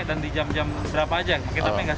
dan di jam jam berapa aja